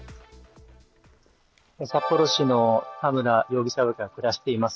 札幌市の田村容疑者が暮らしています